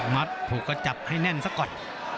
ถูกกระจับให้แน่นซะก่อน